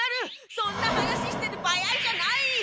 そんな話してるバヤイじゃない！